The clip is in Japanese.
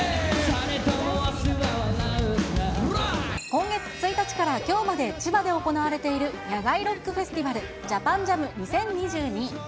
今月１日からきょうまで千葉で行われている野外ロックフェスティバル、ジャパンジャム２０２２。